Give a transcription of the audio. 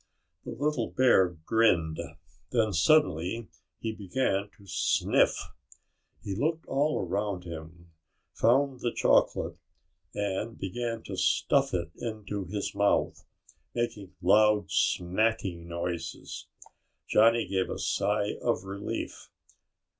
The little bear grinned. Then suddenly he began to sniff. He looked all around him, found the chocolate and began to stuff it into his mouth, making loud smacking noises. Johnny gave a sigh of relief.